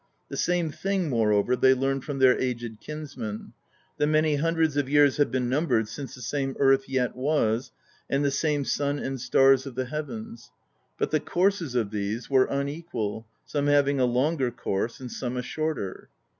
The same thing, moreover, they learned from their aged kinsmen: that many hundreds of years have been numbered since the same earth yet was, and the same sun and stars of the heavens; but the courses of these were unequal, some having a longer course, and some a shorter.